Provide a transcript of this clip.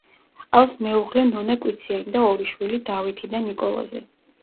ჰყავს მეუღლე ნონა კვიციანი და ორი შვილი დავითი და ნიკოლოზი.